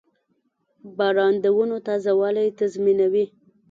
• باران د ونو تازهوالی تضمینوي.